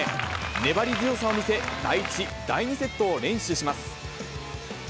粘り強さを見せ、第１、第２セットを連取します。